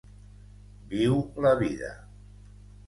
Viu la vida!